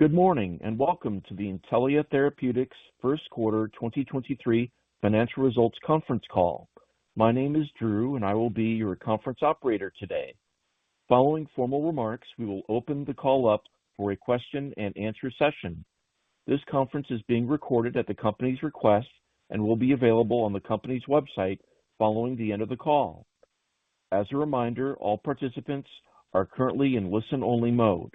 Good morning, welcome to the Intellia Therapeutics first quarter 2023 financial results conference call. My name is Drew, I will be your conference operator today. Following formal remarks, we will open the call up for a question-and-answer session. This conference is being recorded at the company's request and will be available on the company's website following the end of the call. As a reminder, all participants are currently in listen-only mode.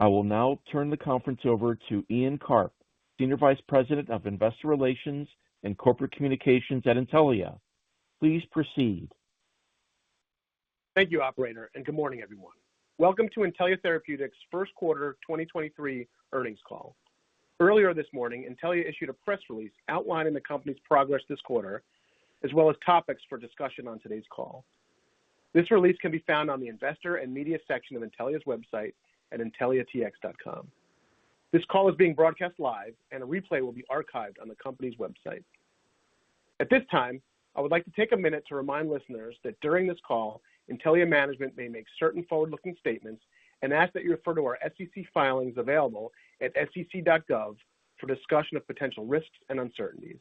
I will now turn the conference over to Ian Karp, Senior Vice President of Investor Relations and Corporate Communications at Intellia. Please proceed. Thank you, Operator. Good morning, everyone. Welcome to Intellia Therapeutics first quarter 2023 earnings call. Earlier this morning, Intellia issued a press release outlining the company's progress this quarter, as well as topics for discussion on today's call. This release can be found on the Investor and Media section of Intellia's website at intelliatx.com. This call is being broadcast live. A replay will be archived on the company's website. At this time, I would like to take a minute to remind listeners that during this call, Intellia management may make certain forward-looking statements and ask that you refer to our SEC filings available at sec.gov for discussion of potential risks and uncertainties.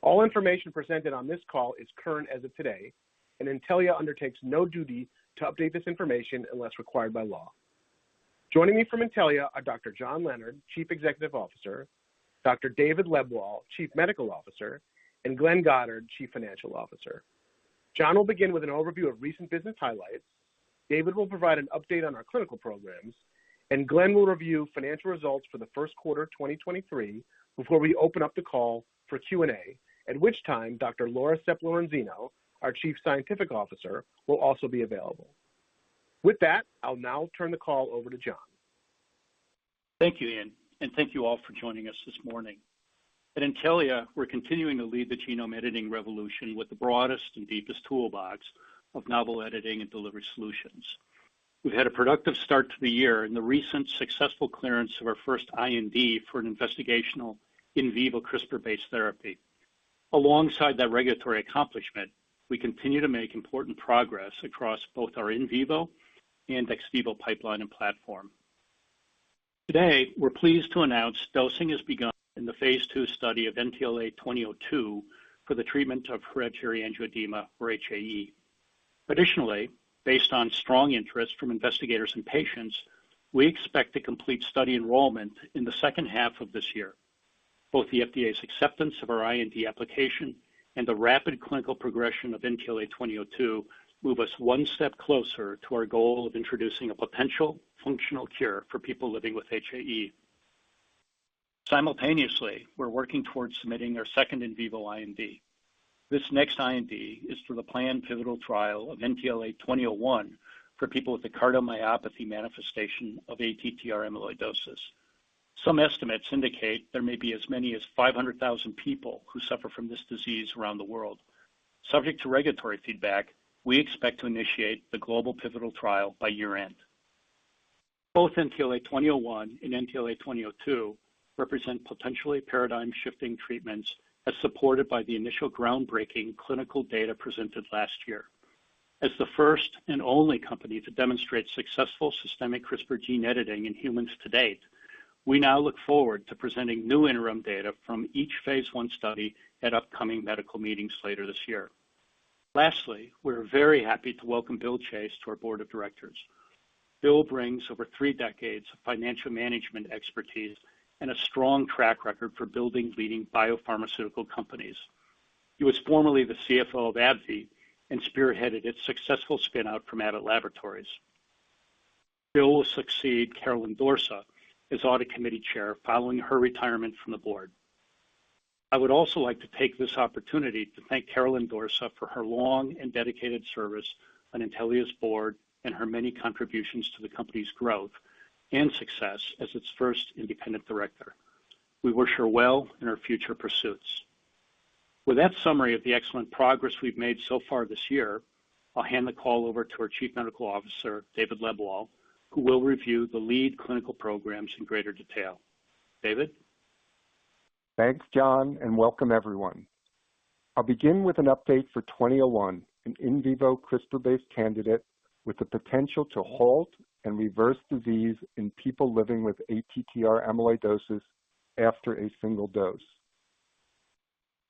All information presented on this call is current as of today. Intellia undertakes no duty to update this information unless required by law. Joining me from Intellia are Dr. John Leonard, Chief Executive Officer, Dr. David Lebwohl, Chief Medical Officer, and Glenn Goddard, Chief Financial Officer. John will begin with an overview of recent business highlights. David will provide an update on our clinical programs, and Glenn will review financial results for the first quarter of 2023 before we open up the call for Q&A, at which time Dr. Laura Sepp-Lorenzino, our Chief Scientific Officer, will also be available. With that, I'll now turn the call over to John. Thank you, Ian. Thank you all for joining us this morning. At Intellia, we're continuing to lead the genome editing revolution with the broadest and deepest toolbox of novel editing and delivery solutions. We've had a productive start to the year in the recent successful clearance of our first IND for an investigational in vivo CRISPR-based therapy. Alongside that regulatory accomplishment, we continue to make important progress across both our in vivo and ex vivo pipeline and platform. Today, we're pleased to announce dosing has begun in the Phase II study of NTLA-2002 for the treatment of hereditary angioedema, or HAE. Based on strong interest from investigators and patients, we expect to complete study enrollment in the second half of this year. Both the FDA's acceptance of our IND application and the rapid clinical progression of NTLA-2002 move us one step closer to our goal of introducing a potential functional cure for people living with HAE. Simultaneously, we're working towards submitting our second in vivo IND. This next IND is for the planned pivotal trial of NTLA-2001 for people with the cardiomyopathy manifestation of ATTR amyloidosis. Some estimates indicate there may be as many as 500,000 people who suffer from this disease around the world. Subject to regulatory feedback, we expect to initiate the global pivotal trial by year-end. Both NTLA-2001 and NTLA-2002 represent potentially paradigm-shifting treatments as supported by the initial groundbreaking clinical data presented last year. As the first and only company to demonstrate successful systemic CRISPR gene editing in humans to date, we now look forward to presenting new interim data from each phase one study at upcoming medical meetings later this year. Lastly, we're very happy to welcome Bill Chase to our board of directors. Bill brings over three decades of financial management expertise and a strong track record for building leading biopharmaceutical companies. He was formerly the CFO of AbbVie and spearheaded its successful spin-out from Abbott Laboratories. Bill will succeed Caroline Dorsa as Audit Committee Chair following her retirement from the board. I would also like to take this opportunity to thank Caroline Dorsa for her long and dedicated service on Intellia's board and her many contributions to the company's growth and success as its first Independent Director. We wish her well in her future pursuits. With that summary of the excellent progress we've made so far this year, I'll hand the call over to our Chief Medical Officer, David Lebwohl, who will review the lead clinical programs in greater detail. David? Thanks, John, and welcome everyone. I'll begin with an update for NTLA-2001, an in vivo CRISPR-based candidate with the potential to halt and reverse disease in people living with ATTR amyloidosis after a single dose.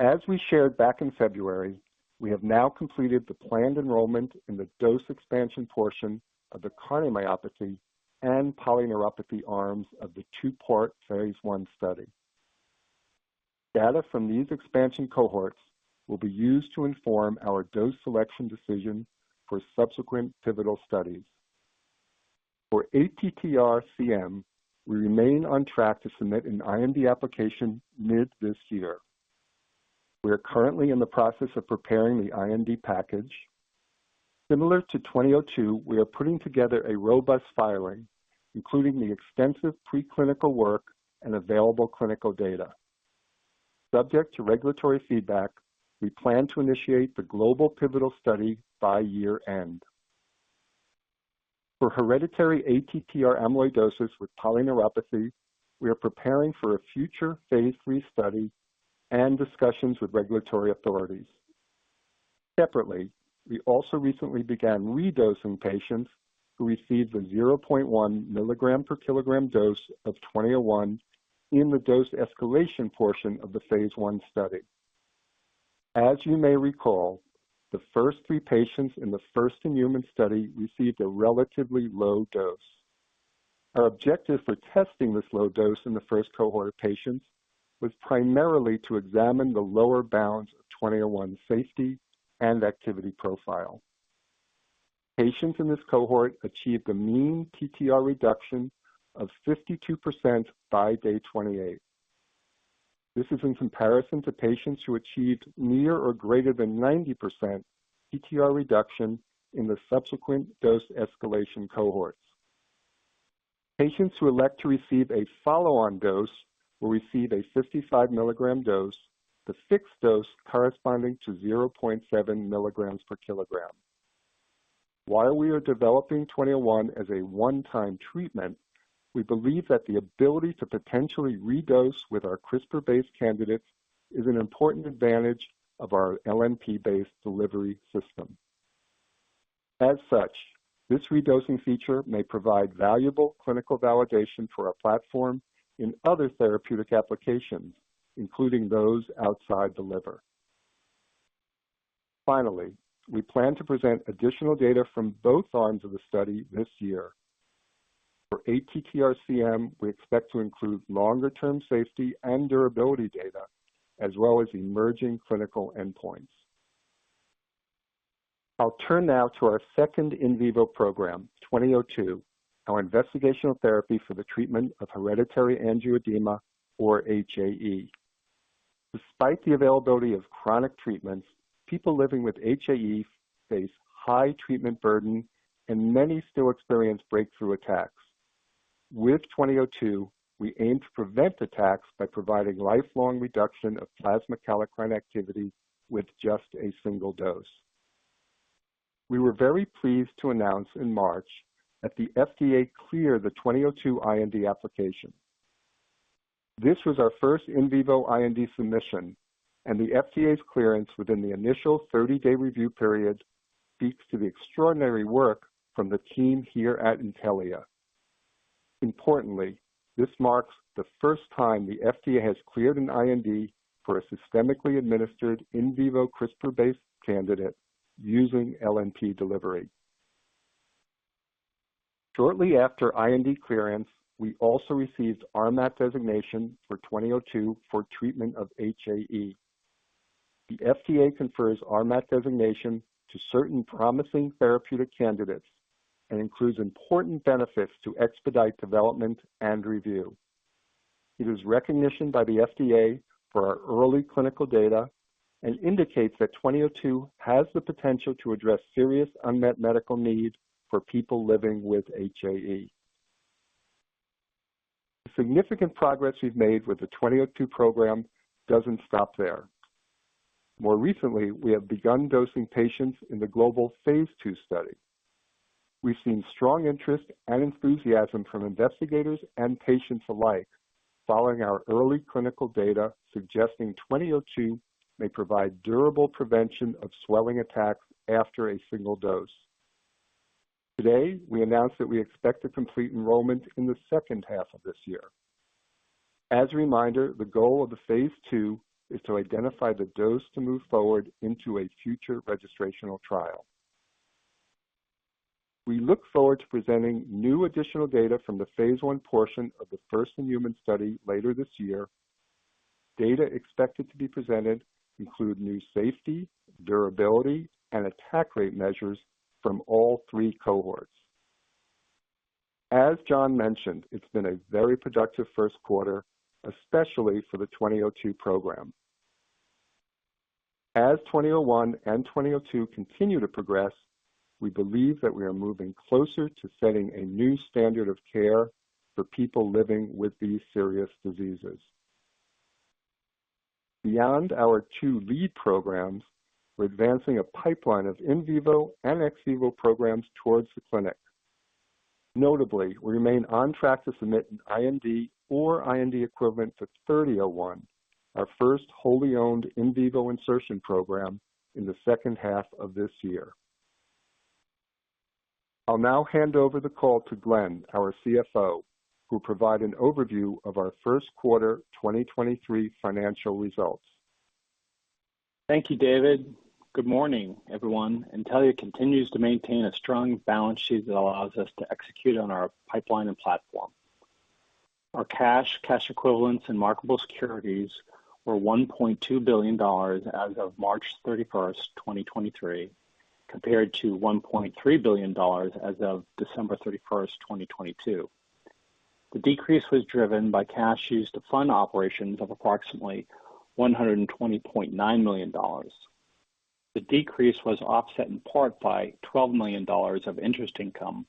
As we shared back in February, we have now completed the planned enrollment in the dose expansion portion of the cardiomyopathy and polyneuropathy arms of the 2-part phase I study. Data from these expansion cohorts will be used to inform our dose selection decision for subsequent pivotal studies. For ATTR-CM, we remain on track to submit an IND application mid this year. We are currently in the process of preparing the IND package. Similar to NTLA-2002, we are putting together a robust filing, including the extensive preclinical work and available clinical data. Subject to regulatory feedback, we plan to initiate the global pivotal study by year-end. For hereditary ATTR amyloidosis with polyneuropathy, we are preparing for a future Phase III study and discussions with regulatory authorities. Separately, we also recently began redosing patients who received the 0.1 mg/kg dose of NTLA-2001 in the dose escalation portion of the phase I study. As you may recall, the first 3 patients in the first-in-human study received a relatively low dose. Our objective for testing this low dose in the first cohort of patients was primarily to examine the lower bounds of NTLA-2001 safety and activity profile. Patients in this cohort achieved a mean TTR reduction of 52% by day 28. This is in comparison to patients who achieved near or greater than 90% TTR reduction in the subsequent dose escalation cohorts. Patients who elect to receive a follow-on dose will receive a 55 milligram dose, the fixed dose corresponding to 0.7 milligrams per kilogram. While we are developing NTLA-2001 as a one-time treatment, we believe that the ability to potentially redose with our CRISPR-based candidates is an important advantage of our LNP-based delivery system. As such, this redosing feature may provide valuable clinical validation for our platform in other therapeutic applications, including those outside the liver. Finally, we plan to present additional data from both arms of the study this year. For ATTR-CM, we expect to include longer-term safety and durability data, as well as emerging clinical endpoints. I'll turn now to our second in vivo program, NTLA-2002, our investigational therapy for the treatment of hereditary angioedema, or HAE. Despite the availability of chronic treatments, people living with HAE face high treatment burden and many still experience breakthrough attacks. With NTLA-2002, we aim to prevent attacks by providing lifelong reduction of plasma kallikrein activity with just a single dose. We were very pleased to announce in March that the FDA cleared the NTLA-2002 IND application. This was our first in vivo IND submission, and the FDA's clearance within the initial 30-day review period speaks to the extraordinary work from the team here at Intellia. Importantly, this marks the first time the FDA has cleared an IND for a systemically administered in vivo CRISPR-based candidate using LNP delivery. Shortly after IND clearance, we also received RMAT designation for NTLA-2002 for treatment of HAE. The FDA confers RMAT designation to certain promising therapeutic candidates and includes important benefits to expedite development and review. It is recognition by the FDA for our early clinical data and indicates that twenty oh two has the potential to address serious unmet medical needs for people living with HAE. The significant progress we've made with the twenty oh two program doesn't stop there. More recently, we have begun dosing patients in the global Phase II study. We've seen strong interest and enthusiasm from investigators and patients alike following our early clinical data suggesting twenty oh two may provide durable prevention of swelling attacks after a single dose. Today, we announced that we expect to complete enrollment in the second half of this year. As a reminder, the goal of the Phase II is to identify the dose to move forward into a future registrational trial. We look forward to presenting new additional data from the phase I portion of the first-in-human study later this year. Data expected to be presented include new safety, durability, and attack rate measures from all three cohorts. As John mentioned, it's been a very productive first quarter, especially for the 2002 program. As 2001 and 2002 continue to progress, we believe that we are moving closer to setting a new standard of care for people living with these serious diseases. Beyond our two lead programs, we're advancing a pipeline of in vivo and ex vivo programs towards the clinic. Notably, we remain on track to submit an IND or IND equivalent for 3001, our first wholly owned in vivo insertion program, in the second half of this year. I'll now hand over the call to Glenn, our CFO, who'll provide an overview of our first quarter 2023 financial results. Thank you, David. Good morning, everyone. Intellia continues to maintain a strong balance sheet that allows us to execute on our pipeline and platform. Our cash equivalents, and marketable securities were $1.2 billion as of March 31, 2023, compared to $1.3 billion as of December 31, 2022. The decrease was driven by cash used to fund operations of approximately $120.9 million. The decrease was offset in part by $12 million of interest income,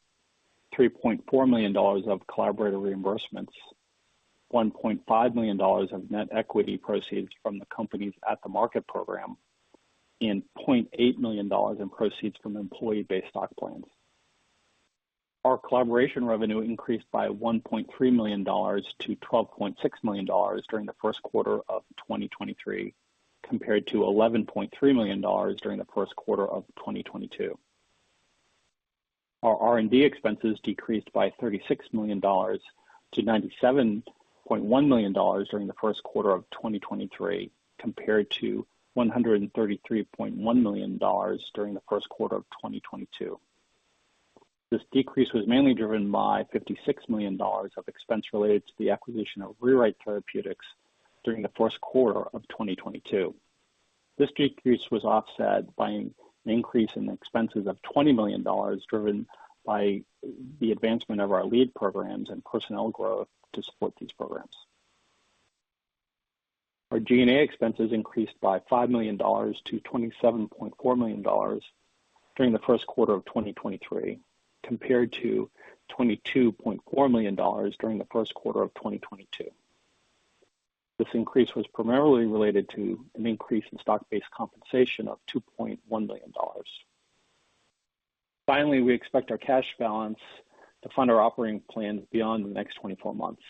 $3.4 million of collaborator reimbursements, $1.5 million of net equity proceeds from the companies at the market program, and $0.8 million in proceeds from employee-based stock plans. Our collaboration revenue increased by $1.3 million to $12.6 million during the first quarter of 2023, compared to $11.3 million during the first quarter of 2022. Our R&D expenses decreased by $36 million to $97.1 million during the first quarter of 2023, compared to $133.1 million during the first quarter of 2022. This decrease was mainly driven by $56 million of expense related to the acquisition of Rewrite Therapeutics during the first quarter of 2022. This decrease was offset by an increase in the expenses of $20 million, driven by the advancement of our lead programs and personnel growth to support these programs. Our G&A expenses increased by $5 million to $27.4 million during the first quarter of 2023, compared to $22.4 million during the first quarter of 2022. This increase was primarily related to an increase in stock-based compensation of $2.1 million. Finally, we expect our cash balance to fund our operating plans beyond the next 24 months.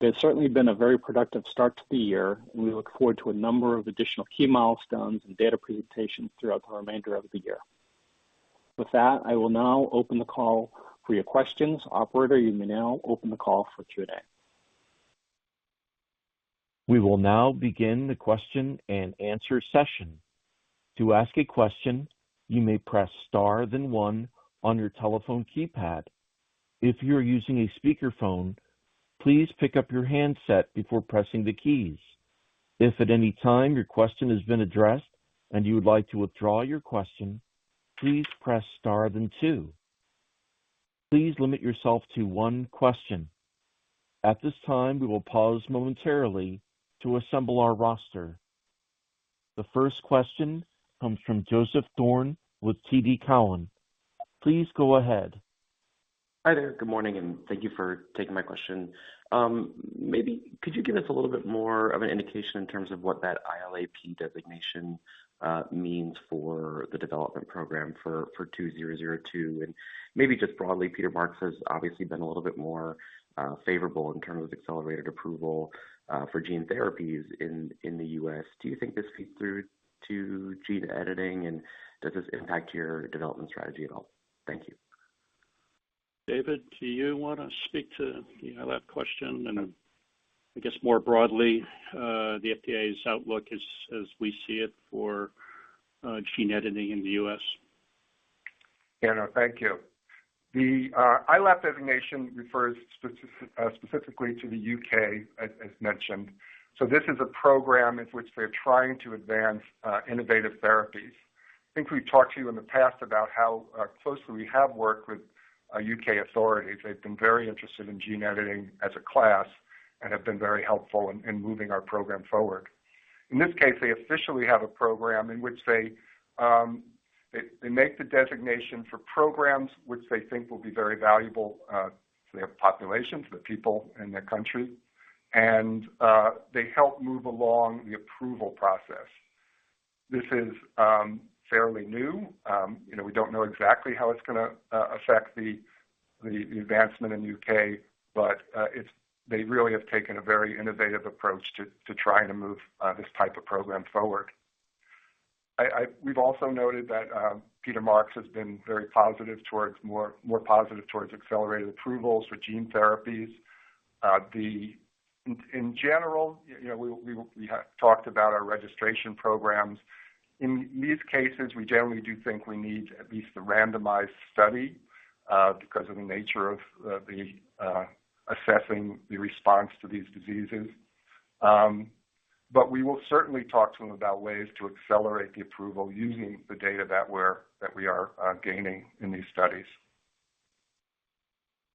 It's certainly been a very productive start to the year, and we look forward to a number of additional key milestones and data presentations throughout the remainder of the year. With that, I will now open the call for your questions. Operator, you may now open the call for Q&A. We will now begin the question-and-answer session. To ask a question, you may press star then one on your telephone keypad. If you are using a speakerphone, please pick up your handset before pressing the keys. If at any time your question has been addressed and you would like to withdraw your question, please press star then two. Please limit yourself to one question. At this time, we will pause momentarily to assemble our roster. The first question comes from Joseph Thorne with TD Cowen. Please go ahead. Hi there. Good morning, and thank you for taking my question. Maybe could you give us a little bit more of an indication in terms of what that ILAP designation means for the development program for NTLA-2002? Maybe just broadly, Peter Marks has obviously been a little bit more favorable in terms of accelerated approval for gene therapies in the U.S. Do you think this speaks through to gene editing, and does this impact your development strategy at all? Thank you. David, do you wanna speak to the ILAP question and I guess more broadly, the FDA's outlook as we see it for gene editing in the U.S.? Yeah, no, thank you. The ILAP designation refers specifically to the U.K., as mentioned. This is a program in which they're trying to advance innovative therapies. I think we've talked to you in the past about how closely we have worked with U.K. authorities. They've been very interested in gene editing as a class and have been very helpful in moving our program forward. In this case, they officially have a program in which they make the designation for programs which they think will be very valuable to their population, for the people in their country. They help move along the approval process. This is fairly new. You know, we don't know exactly how it's gonna affect the advancement in the U.K., but they really have taken a very innovative approach to trying to move this type of program forward. We've also noted that Peter Marks has been very positive towards more positive towards accelerated approvals for gene therapies. In general, we have talked about our registration programs. In these cases, we generally do think we need at least a randomized study because of the nature of the assessing the response to these diseases. We will certainly talk to them about ways to accelerate the approval using the data that we are gaining in these studies.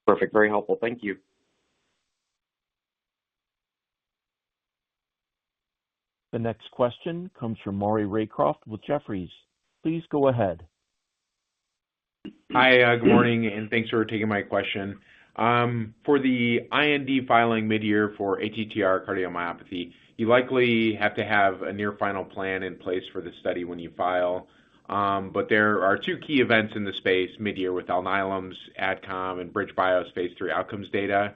Perfect. Very helpful. Thank you. The next question comes from Maury Raycroft with Jefferies. Please go ahead. Hi, good morning. Thanks for taking my question. For the IND filing mid-year for ATTR cardiomyopathy, you likely have to have a near final plan in place for the study when you file. There are 2 key events in the space mid-year with Alnylam, AdCom and BridgeBio's Phase III outcomes data.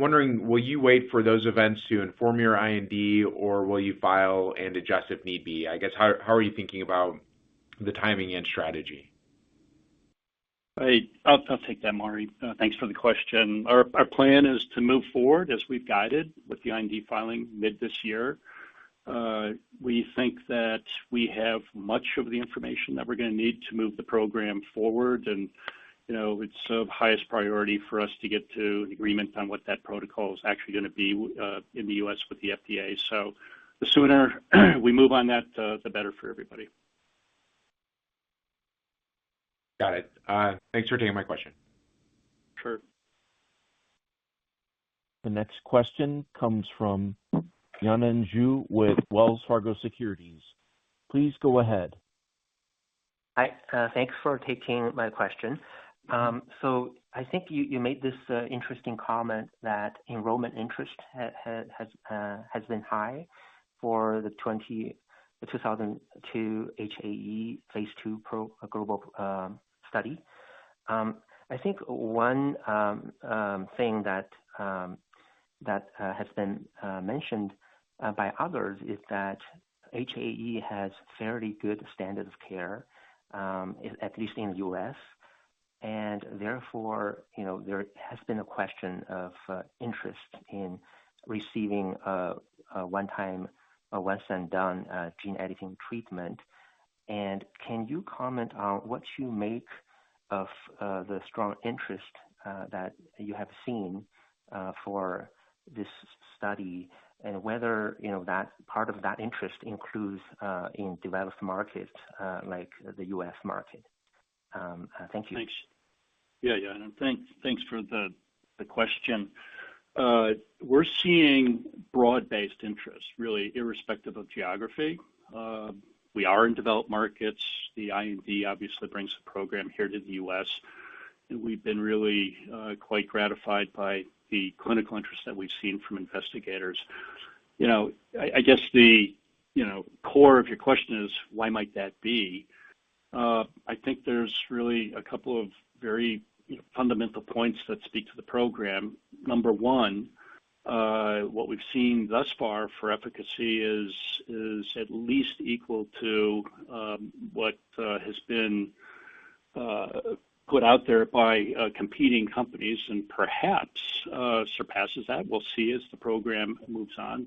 I'm wondering, will you wait for those events to inform your IND or will you file and adjust if need be? I guess, how are you thinking about the timing and strategy? I'll take that, Maury. Thanks for the question. Our plan is to move forward as we've guided with the IND filing mid this year. We think that we have much of the information that we're gonna need to move the program forward. You know, it's of highest priority for us to get to an agreement on what that protocol is actually gonna be in the U.S. with the FDA. The sooner we move on that, the better for everybody. Got it. Thanks for taking my question. Sure. The next question comes from Yanan Zhu with Wells Fargo Securities. Please go ahead. Hi, thanks for taking my question. I think you made this interesting comment that enrollment interest has been high for the 2002 HAE Phase II global study. I think one thing that has been mentioned by others is that HAE has fairly good standard of care, at least in the U.S., and therefore, you know, there has been a question of interest in receiving a one-time, a once and done gene editing treatment. Can you comment on what you make of the strong interest that you have seen for this study and whether, you know, that part of that interest includes in developed markets, like the U.S. market? Thank you. Thanks. Yeah, yeah. Thanks for the question. We're seeing broad-based interest, really irrespective of geography. We are in developed markets. The IND obviously brings the program here to the U.S., and we've been really quite gratified by the clinical interest that we've seen from investigators. You know, I guess the, you know, core of your question is why might that be? I think there's really a couple of very fundamental points that speak to the program. Number one, what we've seen thus far for efficacy is at least equal to what has been put out there by competing companies and perhaps surpasses that. We'll see as the program moves on.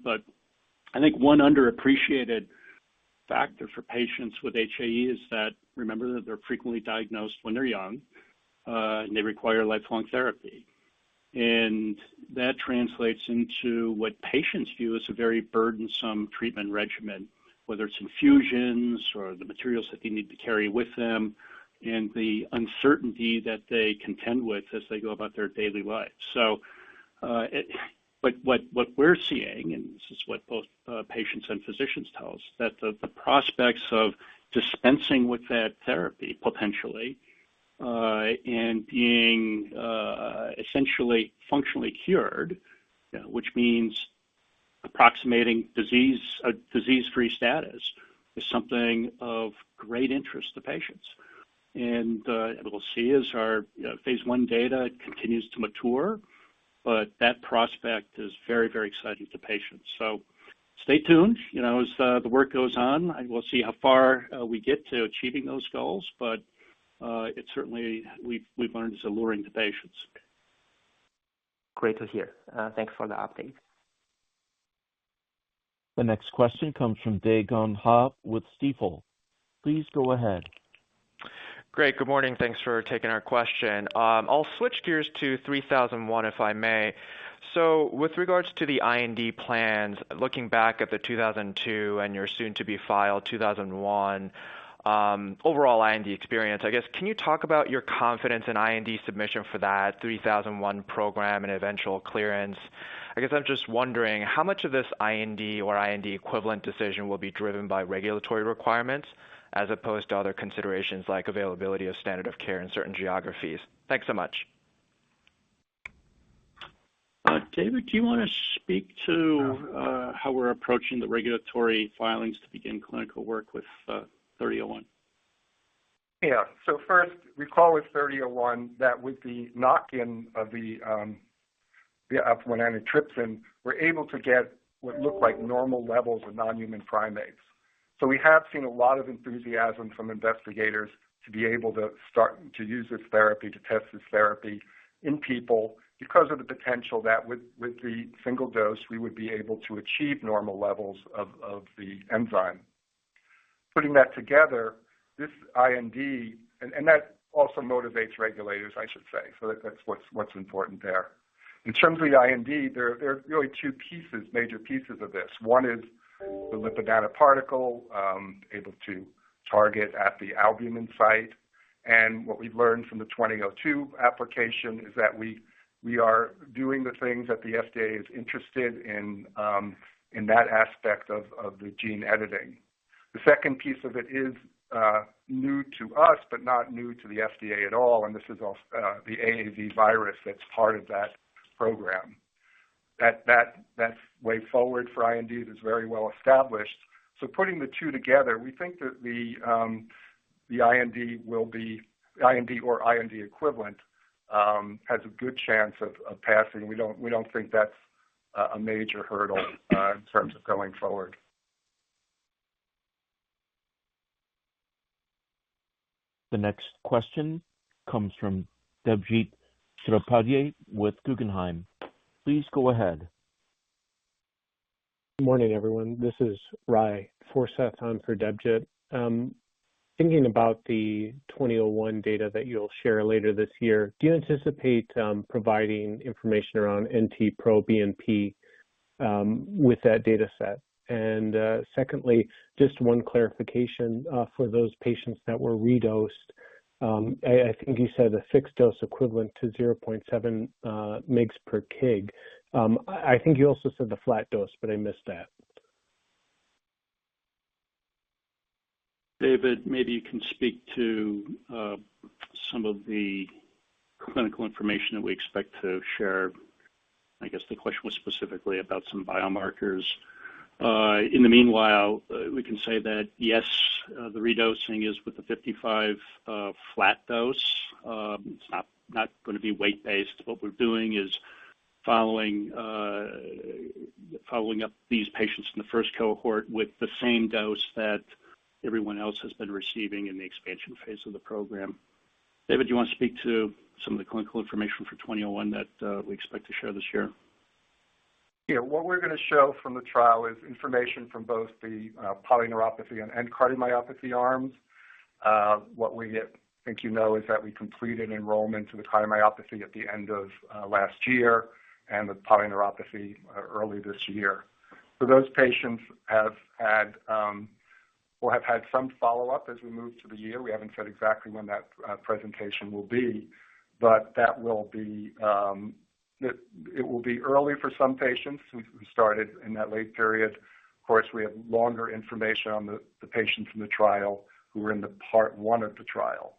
I think one underappreciated factor for patients with HAE is that, remember that they're frequently diagnosed when they're young, and they require lifelong therapy. That translates into what patients view as a very burdensome treatment regimen, whether it's infusions or the materials that they need to carry with them and the uncertainty that they contend with as they go about their daily lives. What we're seeing, and this is what both, patients and physicians tell us, that the prospects of dispensing with that therapy potentially, and being, essentially functionally cured, which means approximating disease, a disease-free status, is something of great interest to patients. We'll see as our, you know, phase one data continues to mature, but that prospect is very, very exciting to patients. Stay tuned, you know, as the work goes on, and we'll see how far we get to achieving those goals. It's certainly we've learned it's alluring to patients. Great to hear. Thanks for the update. The next question comes from Dae Gon Ha with Stifel. Please go ahead. Great. Good morning. Thanks for taking our question. I'll switch gears to 3001, if I may. With regards to the IND plans, looking back at the 2002 and your soon-to-be filed 2001, overall IND experience, I guess, can you talk about your confidence in IND submission for that 3001 program and eventual clearance? I guess I'm just wondering how much of this IND or IND equivalent decision will be driven by regulatory requirements as opposed to other considerations like availability of standard of care in certain geographies. Thanks so much. David, do you wanna speak to how we're approaching the regulatory filings to begin clinical work with NTLA-3001? First, recall with 3001 that with the knock-in of the alpha-1 antitrypsin, we're able to get what looked like normal levels of nonhuman primates. We have seen a lot of enthusiasm from investigators to be able to start to use this therapy, to test this therapy in people because of the potential that with the single dose, we would be able to achieve normal levels of the enzyme. Putting that together, this IND. That also motivates regulators, I should say. That's what's important there. In terms of the IND, there are really two pieces, major pieces of this. One is the lipid nanoparticle, able to target at the albumin site. What we've learned from the 2002 application is that we are doing the things that the FDA is interested in that aspect of the gene editing. The second piece of it is new to us, but not new to the FDA at all, and this is the AAV virus that's part of that program. That way forward for IND is very well established. Putting the two together, we think that the IND will be, IND or IND equivalent, has a good chance of passing. We don't think that's a major hurdle in terms of going forward. The next question comes from Debjit Chattopadhyay with Guggenheim. Please go ahead. Good morning, everyone. This is Rai, fourth set time for Debjit. Thinking about the 2001 data that you'll share later this year, do you anticipate providing information around NT-proBNP with that data set? Secondly, just one clarification, for those patients that were redosed, I think you said a fixed dose equivalent to 0.7 mgs per kg. I think you also said the flat dose, I missed that. David, maybe you can speak to some of the clinical information that we expect to share. I guess the question was specifically about some biomarkers. In the meanwhile, we can say that yes, the redosing is with the 55 flat dose. It's not gonna be weight based. What we're doing is following up these patients in the first cohort with the same dose that everyone else has been receiving in the expansion phase of the program. David, do you want to speak to some of the clinical information for NTLA-2001 that we expect to share this year? What we're gonna show from the trial is information from both the polyneuropathy and cardiomyopathy arms. What we think you know is that we completed enrollment to the cardiomyopathy at the end of last year and the polyneuropathy earlier this year. Those patients have had or have had some follow-up as we move through the year. We haven't said exactly when that presentation will be, but that will be early for some patients since we started in that late period. We have longer information on the patients in the trial who were in the part one of the trial.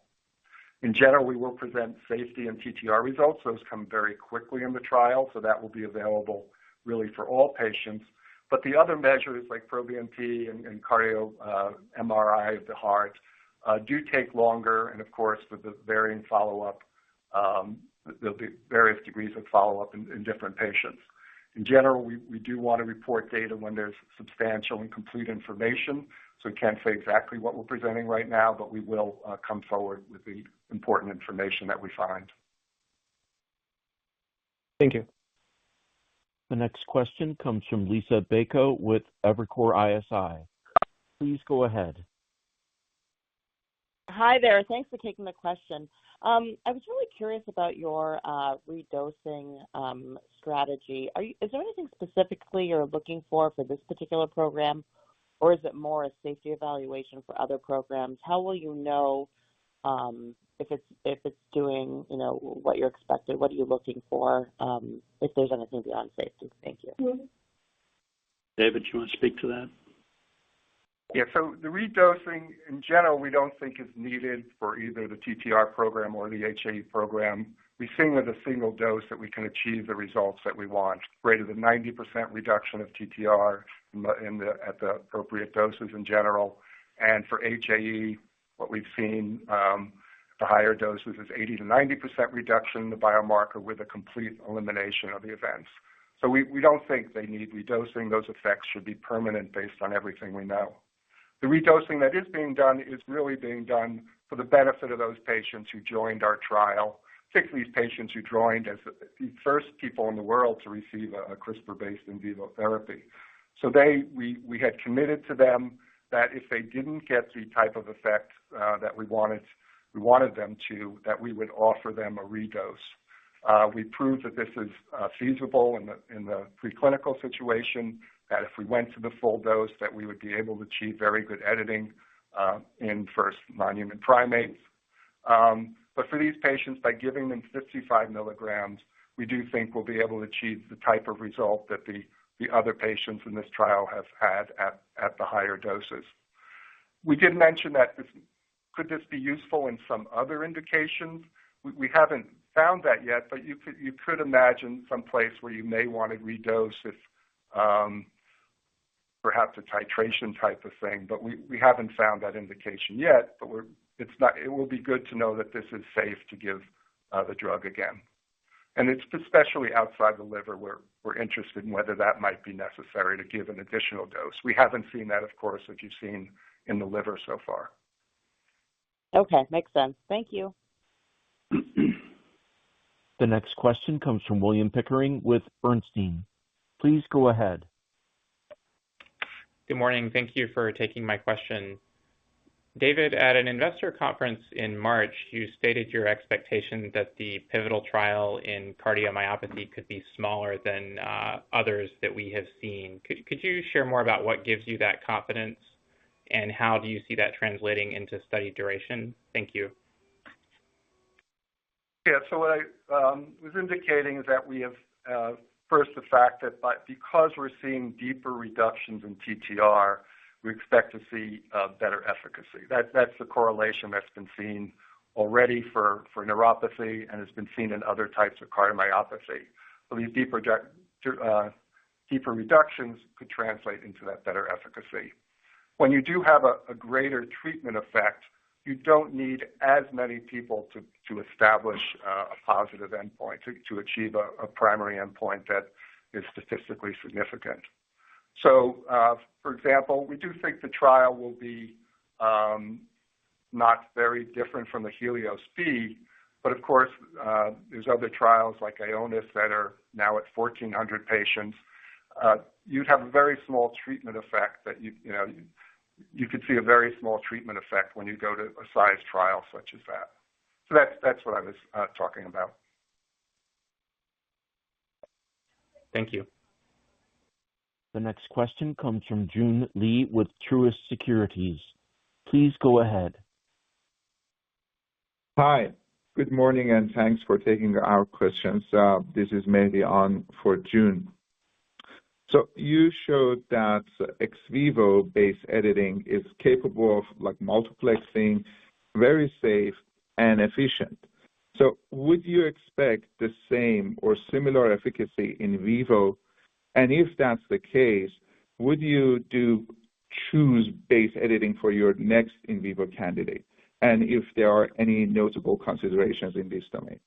In general, we will present safety and TTR results. Those come very quickly in the trial, so that will be available really for all patients. The other measures like proBNP and cardio MRI of the heart do take longer and of course, with the varying follow-up, there'll be various degrees of follow-up in different patients. In general, we do wanna report data when there's substantial and complete information, so we can't say exactly what we're presenting right now, but we will come forward with the important information that we find. Thank you. The next question comes from Liisa Bayko with Evercore ISI. Please go ahead. Hi there. Thanks for taking the question. I was really curious about your redosing strategy. Is there anything specifically you're looking for for this particular program? Is it more a safety evaluation for other programs? How will you know, if it's doing, you know, what you're expecting? What are you looking for, if there's anything beyond safety? Thank you. David, do you wanna speak to that? Yeah. The redosing in general, we don't think is needed for either the TTR program or the HAE program. We think with a single dose that we can achieve the results that we want, greater than 90% reduction of TTR at the appropriate doses in general. For HAE, what we've seen, the higher doses is 80%-90% reduction in the biomarker with a complete elimination of the events. We don't think they need redosing. Those effects should be permanent based on everything we know. The redosing that is being done is really being done for the benefit of those patients who joined our trial, particularly these patients who joined as the first people in the world to receive a CRISPR-based in vivo therapy. We had committed to them that if they didn't get the type of effect, that we wanted, that we would offer them a redose. We proved that this is feasible in the preclinical situation, that if we went to the full dose, that we would be able to achieve very good editing in first non-human primates. For these patients, by giving them 55 milligrams, we do think we'll be able to achieve the type of result that the other patients in this trial have had at the higher doses. We did mention that this. Could this be useful in some other indications? We haven't found that yet, but you could imagine some place where you may wanna redose if perhaps a titration type of thing, but we haven't found that indication yet. It will be good to know that this is safe to give the drug again. It's especially outside the liver we're interested in whether that might be necessary to give an additional dose. We haven't seen that, of course, as you've seen in the liver so far. Okay. Makes sense. Thank you. The next question comes from William Pickering with Bernstein. Please go ahead. Good morning. Thank you for taking my question. David, at an investor conference in March, you stated your expectation that the pivotal trial in cardiomyopathy could be smaller than others that we have seen. Could you share more about what gives you that confidence, and how do you see that translating into study duration? Thank you. Yeah. What I was indicating is that we have first the fact that because we're seeing deeper reductions in TTR, we expect to see better efficacy. That's the correlation that's been seen already for neuropathy and has been seen in other types of cardiomyopathy. These deeper reductions could translate into that better efficacy. When you do have a greater treatment effect, you don't need as many people to establish a positive endpoint, to achieve a primary endpoint that is statistically significant. For example, we do think the trial will be not very different from the Helios-B, but of course, there's other trials like Ionis that are now at 1,400 patients. You'd have a very small treatment effect that you know, you could see a very small treatment effect when you go to a size trial such as that. That's what I was talking about. Thank you. The next question comes from Joon Lee with Truist Securities. Please go ahead. Hi. Good morning, and thanks for taking our questions. This is maybe on for Joon. You showed that ex vivo base editing is capable of like multiplexing, very safe and efficient. Would you expect the same or similar efficacy in vivo? If that's the case, would you do choose base editing for your next in vivo candidate? If there are any notable considerations in this domain.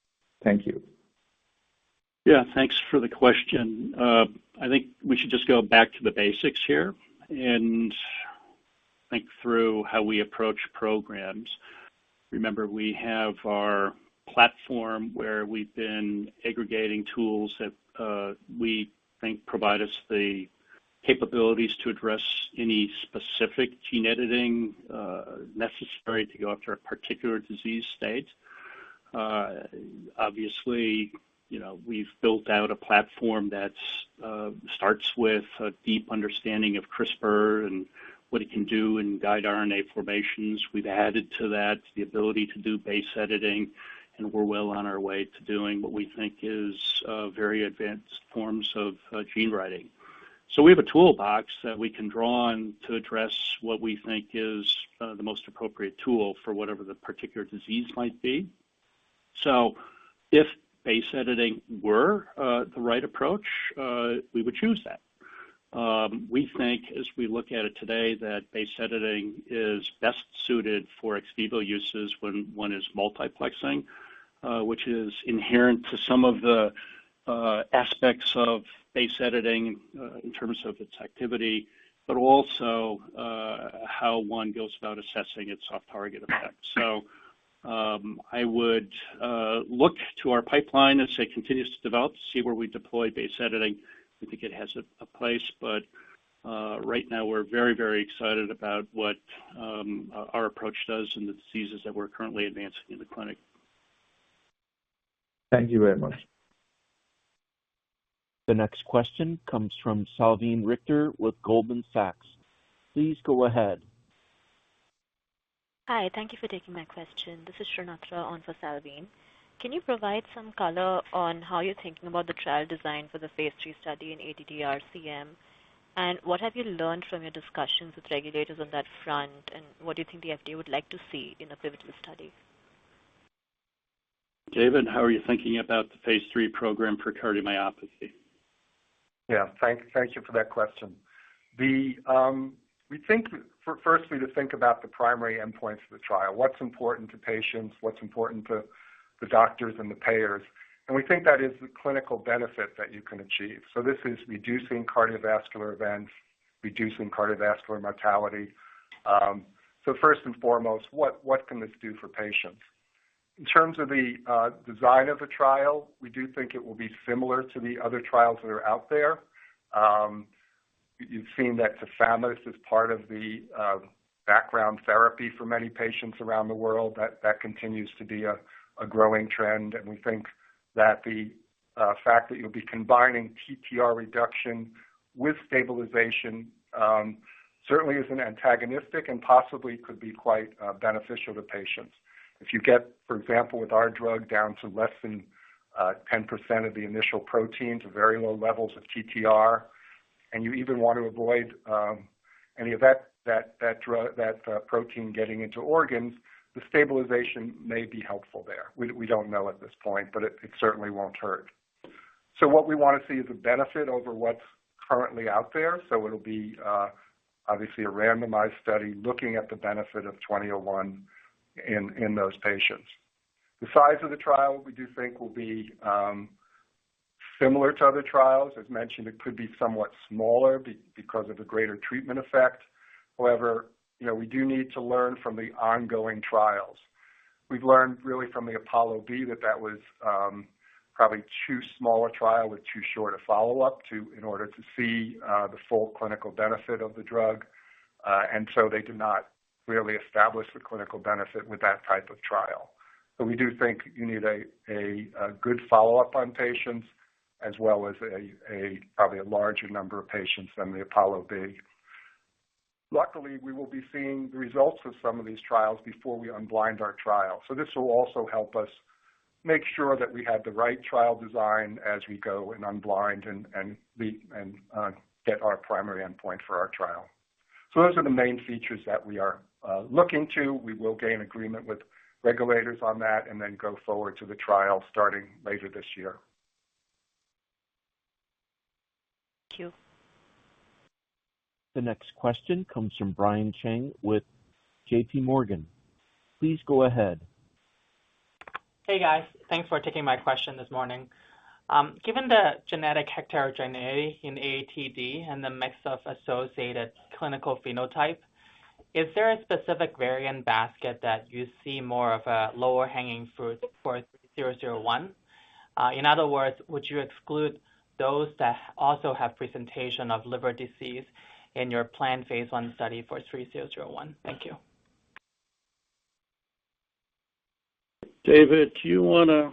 Thank you. Yeah, thanks for the question. I think we should just go back to the basics here and think through how we approach programs. Remember, we have our platform where we've been aggregating tools that we think provide us the capabilities to address any specific gene editing necessary to go after a particular disease state. Obviously, you know, we've built out a platform that starts with a deep understanding of CRISPR and what it can do in guide RNA formations. We've added to that the ability to do base editing, and we're well on our way to doing what we think is very advanced forms of gene writing. We have a toolbox that we can draw on to address what we think is the most appropriate tool for whatever the particular disease might be. If base editing were the right approach, we would choose that. We think as we look at it today, that base editing is best suited for ex vivo uses when one is multiplexing, which is inherent to some of the aspects of base editing, in terms of its activity, but also how one goes about assessing its off-target effects. I would look to our pipeline as it continues to develop to see where we deploy base editing. We think it has a place, but right now we're very, very excited about what our approach does in the diseases that we're currently advancing in the clinic. Thank you very much. The next question comes from Salveen Richter with Goldman Sachs. Please go ahead. Hi, thank you for taking my question. This is Shrinathra on for Salveen. Can you provide some color on how you're thinking about the trial design for the phase three study in ATTR-CM? What have you learned from your discussions with regulators on that front, and what do you think the FDA would like to see in a pivotal study? David, how are you thinking about the Phase III program for cardiomyopathy? Yeah. Thank you for that question. We think for firstly to think about the primary endpoints of the trial, what's important to patients, what's important to the doctors and the payers. We think that is the clinical benefit that you can achieve. This is reducing cardiovascular events, reducing cardiovascular mortality. First and foremost, what can this do for patients? In terms of the design of the trial, we do think it will be similar to the other trials that are out there. You've seen that Tafamidis is part of the background therapy for many patients around the world. That continues to be a growing trend. We think that the fact that you'll be combining TTR reduction with stabilization, certainly isn't antagonistic and possibly could be quite beneficial to patients. If you get, for example, with our drug down to less than 10% of the initial protein to very low levels of TTR, and you even want to avoid any of that drug, that protein getting into organs, the stabilization may be helpful there. We don't know at this point, but it certainly won't hurt. What we wanna see is a benefit over what's currently out there. It'll be obviously a randomized study looking at the benefit of NTLA-2001 in those patients. The size of the trial, we do think will be similar to other trials. As mentioned, it could be somewhat smaller because of the greater treatment effect. However, you know, we do need to learn from the ongoing trials. We've learned really from the APOLLO-B that that was probably too small a trial with too short a follow-up to, in order to see the full clinical benefit of the drug. They did not really establish the clinical benefit with that type of trial. We do think you need a good follow-up on patients as well as a probably larger number of patients than the APOLLO-B. Luckily, we will be seeing the results of some of these trials before we unblind our trial. This will also help us make sure that we have the right trial design as we go and unblind and we get our primary endpoint for our trial. Those are the main features that we are looking to. We will gain agreement with regulators on that and then go forward to the trial starting later this year. Thank you. The next question comes from Brian Cheng with J.P. Morgan. Please go ahead. Hey, guys. Thanks for taking my question this morning. Given the genetic heterogeneity in AATD and the mix of associated clinical phenotype, is there a specific variant basket that you see more of a lower hanging fruit for NTLA-2001? In other words, would you exclude those that also have presentation of liver disease in your planned phase I study for NTLA-3001? Thank you. David, do you wanna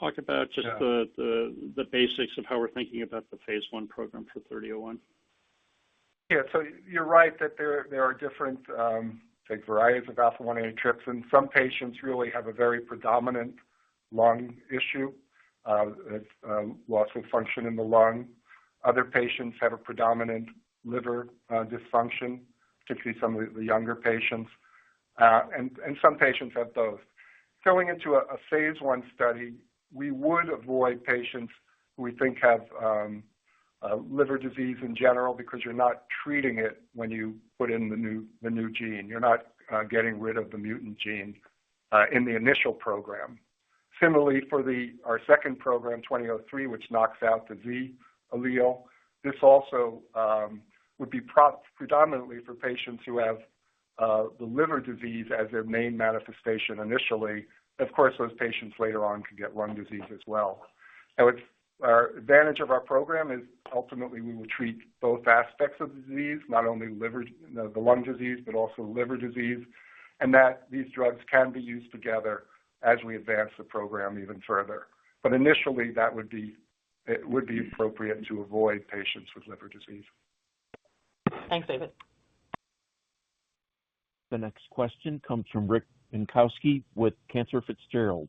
talk about just the basics of how we're thinking about the phase I program for 3001? Yeah, you're right that there are different, say, varieties of alpha-1 antitrypsin. Some patients really have a very predominant lung issue, with loss of function in the lung. Other patients have a predominant liver dysfunction, particularly some of the younger patients. And some patients have both. Going into a phase I study, we would avoid patients who we think have liver disease in general because you're not treating it when you put in the new gene. You're not getting rid of the mutant gene in the initial program. Similarly, for our second program, 2003, which knocks out the Z allele, this also would be predominantly for patients who have the liver disease as their main manifestation initially. Of course, those patients later on could get lung disease as well. It's. Our advantage of our program is ultimately we will treat both aspects of the disease, not only No, the lung disease, but also liver disease, and that these drugs can be used together as we advance the program even further. Initially, that would be, it would be appropriate to avoid patients with liver disease. Thanks, David. The next question comes from Rick Bienkowski with Cantor Fitzgerald.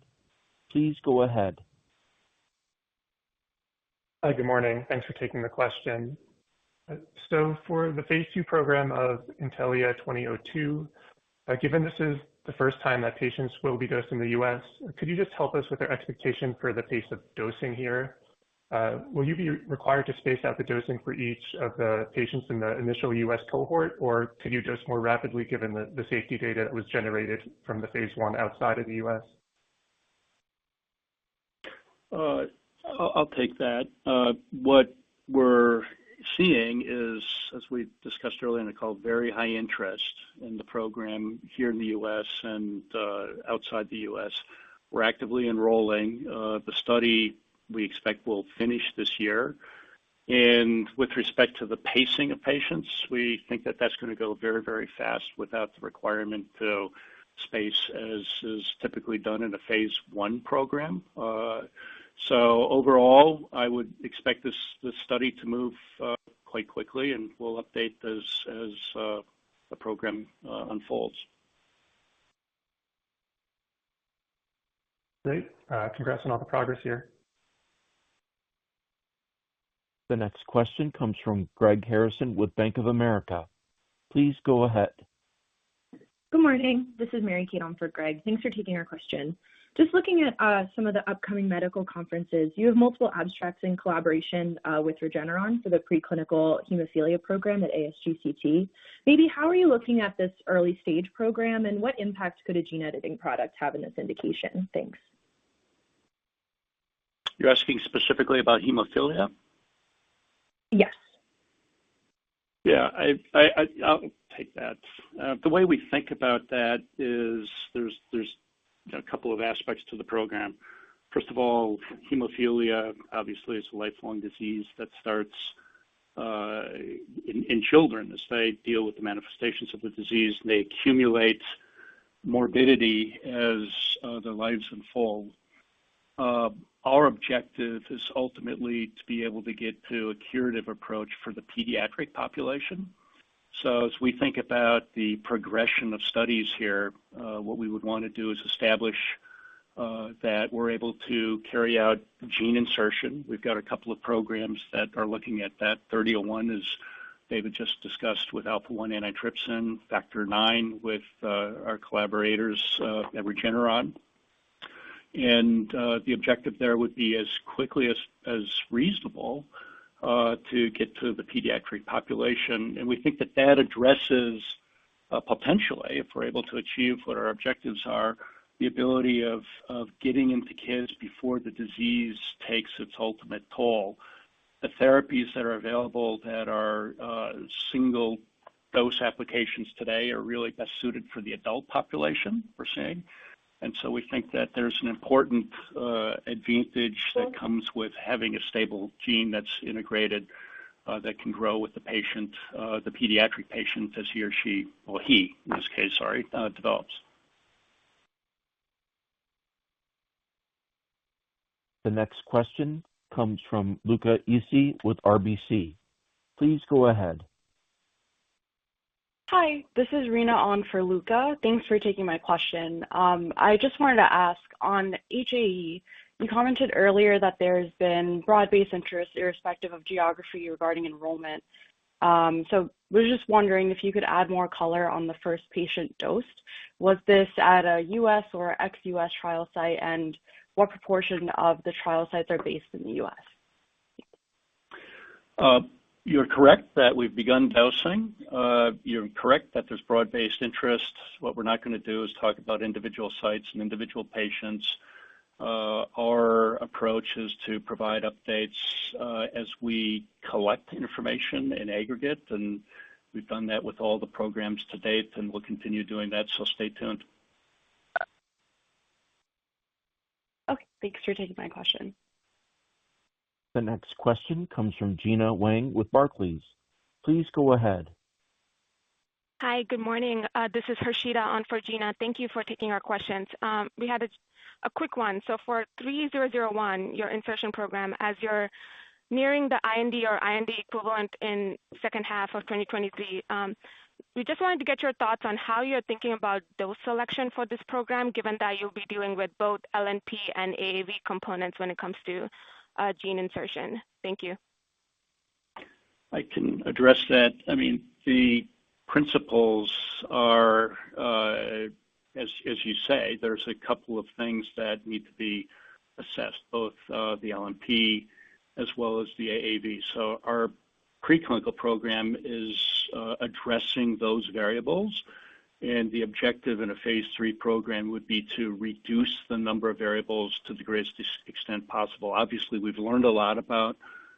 Please go ahead. Hi, good morning. Thanks for taking the question. For the Phase II program of Intellia 2002, given this is the first time that patients will be dosed in the US, could you just help us with your expectation for the pace of dosing here? Will you be required to space out the dosing for each of the patients in the initial US cohort, or can you dose more rapidly given the safety data that was generated from the phase I outside of the U.S.? I'll take that. What we're seeing is, as we discussed earlier in the call, very high interest in the program here in the US and outside the US. We're actively enrolling. The study, we expect, will finish this year. With respect to the pacing of patients, we think that that's gonna go very, very fast without the requirement to space as typically done in a phase I program. Overall, I would expect this study to move quite quickly, and we'll update as the program unfolds. Great. Congrats on all the progress here. The next question comes from Greg Harrison with Bank of America. Please go ahead. Good morning. This is Mary Kate on for Greg. Thanks for taking our question. Just looking at some of the upcoming medical conferences, you have multiple abstracts in collaboration with Regeneron for the preclinical hemophilia program at ASGCT. Maybe how are you looking at this early stage program, and what impact could a gene-editing product have in this indication? Thanks. You're asking specifically about hemophilia? Yes. Yeah. I'll take that. The way we think about that is there's, you know, a couple of aspects to the program. First of all, hemophilia obviously is a lifelong disease that starts in children. As they deal with the manifestations of the disease, they accumulate morbidity as their lives unfold. Our objective is ultimately to be able to get to a curative approach for the pediatric population. As we think about the progression of studies here, what we would wanna do is establish that we're able to carry out gene insertion. We've got a couple of programs that are looking at that. 3001, as David just discussed with alpha-1 antitrypsin, Factor IX with our collaborators at Regeneron. The objective there would be as quickly as reasonable to get to the pediatric population. We think that that addresses potentially, if we're able to achieve what our objectives are, the ability of getting into kids before the disease takes its ultimate toll. The therapies that are available that are single dose applications today are really best suited for the adult population, per se. We think that there's an important advantage that comes with having a stable gene that's integrated that can grow with the patient, the pediatric patient as he or she, or he, in this case, sorry, develops. The next question comes from Luca Issi with RBC. Please go ahead. Hi. This is Rina on for Luca. Thanks for taking my question. I just wanted to ask, on HAE, you commented earlier that there's been broad-based interest irrespective of geography regarding enrollment. Was just wondering if you could add more color on the first patient dosed. Was this at a U.S. or ex-U.S. trial site? What proportion of the trial sites are based in the U.S.? You're correct that we've begun dosing. You're correct that there's broad-based interest. What we're not gonna do is talk about individual sites and individual patients. Our approach is to provide updates, as we collect information in aggregate, and we've done that with all the programs to date, and we'll continue doing that, so stay tuned. Okay. Thanks for taking my question. The next question comes from Gena Wang with Barclays. Please go ahead. Hi, good morning. This is Hashida on for Gena. Thank you for taking our questions. We had a quick one. For 3001, your insertion program, as you're nearing the IND or IND equivalent in second half of 2023, we just wanted to get your thoughts on how you're thinking about dose selection for this program, given that you'll be dealing with both LNP and AAV components when it comes to gene insertion. Thank you. I can address that. I mean, the principles are, as you say, there's a couple of things that need to be assessed, both the LNP as well as the AAV. Our pre-clinical program is addressing those variables. The objective in a Phase III program would be to reduce the number of variables to the greatest extent possible. Obviously, we've learned a lot about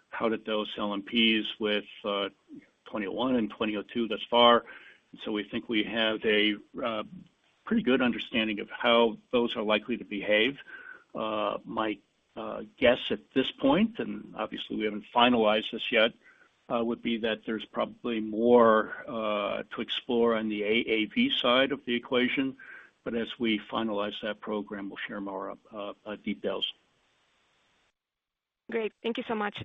how to dose LNPs with 2001 and 2002 thus far. We think we have a pretty good understanding of how those are likely to behave. My guess at this point, and obviously we haven't finalized this yet, would be that there's probably more to explore on the AAV side of the equation. As we finalize that program, we'll share more details. Great. Thank you so much.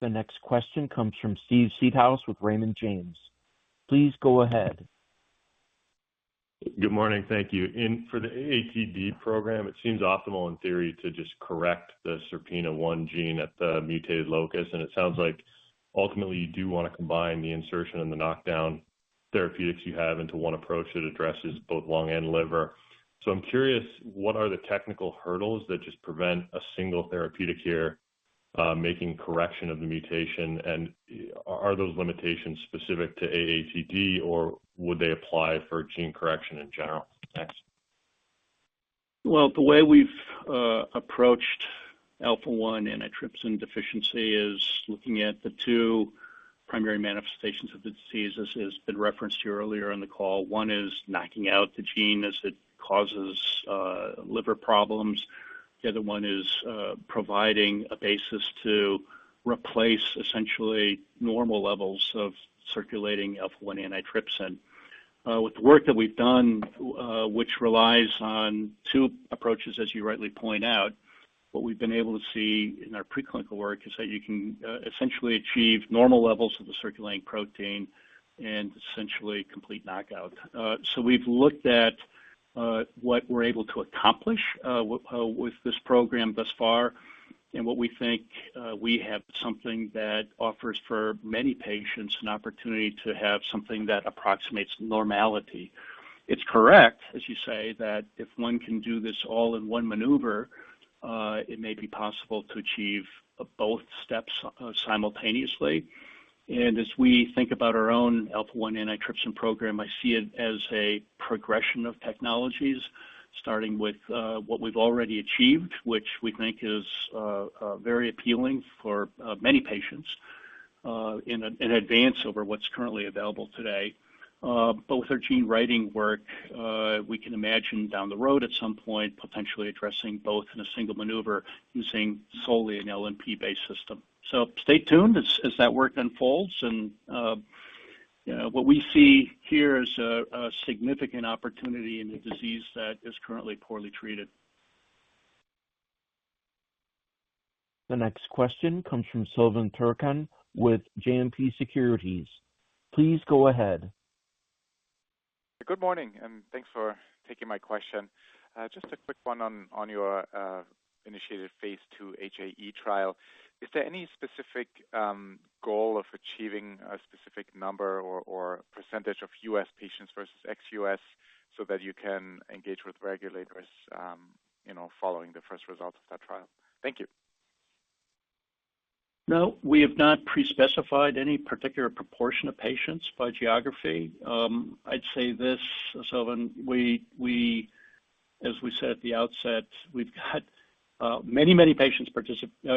The next question comes from Steven Seedhouse with Raymond James. Please go ahead. Good morning. Thank you. For the AATD program, it seems optimal in theory to just correct the SERPINA1 gene at the mutated locus, and it sounds like ultimately you do wanna combine the insertion and the knockdown therapeutics you have into one approach that addresses both lung and liver. I'm curious, what are the technical hurdles that just prevent a single therapeutic here making correction of the mutation? Are those limitations specific to AATD or would they apply for gene correction in general? Thanks. The way we've, approached Alpha-1 Antitrypsin Deficiency is looking at the two primary manifestations of the disease, as been referenced here earlier in the call. One is knocking out the gene as it causes, liver problems. The other one is, providing a basis to replace essentially normal levels of circulating alpha-1 antitrypsin. With the work that we've done, which relies on two approaches, as you rightly point out, what we've been able to see in our preclinical work is that you can, essentially achieve normal levels of the circulating protein and essentially complete knockout. We've looked at, what we're able to accomplish, with this program thus far and what we think, we have something that offers, for many patients, an opportunity to have something that approximates normality. It's correct, as you say, that if one can do this all in one maneuver, it may be possible to achieve both steps simultaneously. As we think about our own alpha-1 antitrypsin program, I see it as a progression of technologies, starting with what we've already achieved, which we think is very appealing for many patients in an advance over what's currently available today. Both our gene writing work, we can imagine down the road at some point, potentially addressing both in a single maneuver using solely an LNP-based system. Stay tuned as that work unfolds. You know, what we see here is a significant opportunity in a disease that is currently poorly treated. The next question comes from Silvan Tuerkcan with JMP Securities. Please go ahead. Good morning, thanks for taking my question. Just a quick one on your initiated Phase II HAE trial. Is there any specific goal of achieving a specific number or percentage of U.S. patients versus ex-U.S. so that you can engage with regulators, you know, following the first results of that trial? Thank you. No, we have not pre-specified any particular proportion of patients by geography. I'd say this, Silvan, as we said at the outset, we've got many patients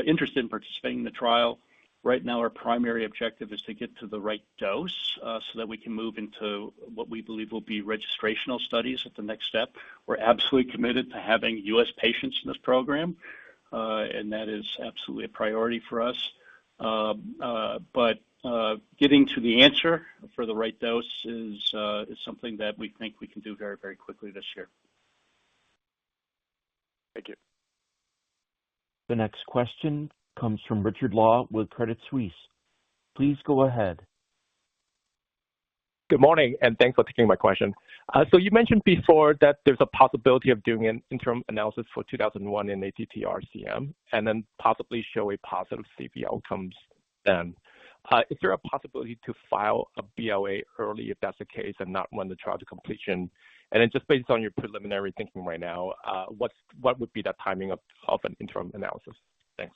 interested in participating in the trial. Right now, our primary objective is to get to the right dose so that we can move into what we believe will be registrational studies at the next step. We're absolutely committed to having U.S. patients in this program, and that is absolutely a priority for us. Getting to the answer for the right dose is something that we think we can do very, very quickly this year. Thank you. The next question comes from Rick Goss with Credit Suisse. Please go ahead. Good morning, and thanks for taking my question. You mentioned before that there's a possibility of doing an interim analysis for NTLA-2001 in ATTR-CM, possibly show a positive CP outcomes then. Is there a possibility to file a BLA early if that's the case and not run the trial to completion? Just based on your preliminary thinking right now, what would be the timing of an interim analysis? Thanks.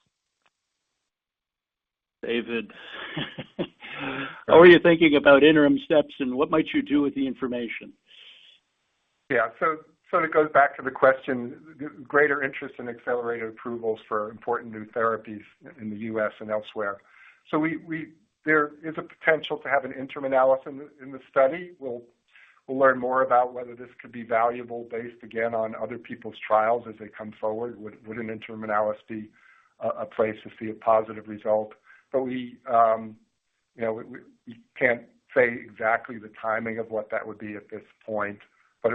David, how are you thinking about interim steps and what might you do with the information? Yeah. It goes back to the question, greater interest in accelerated approvals for important new therapies in the U.S. and elsewhere. There is a potential to have an interim analysis in the study. We'll learn more about whether this could be valuable based, again, on other people's trials as they come forward. Would an interim analysis be a place to see a positive result? We, you know, we can't say exactly the timing of what that would be at this point, but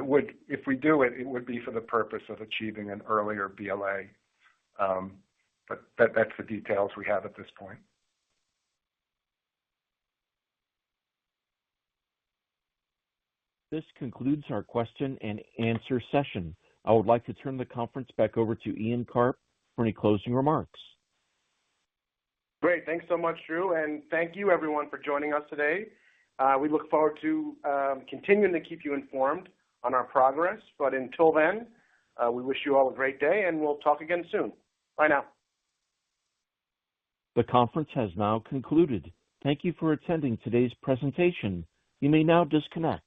if we do it would be for the purpose of achieving an earlier BLA. That's the details we have at this point. This concludes our question-and-answer session. I would like to turn the conference back over to Ian Karp for any closing remarks. Great. Thanks so much, Drew. Thank you everyone for joining us today. We look forward to continuing to keep you informed on our progress. Until then, we wish you all a great day. We'll talk again soon. Bye now. The conference has now concluded. Thank you for attending today's presentation. You may now disconnect.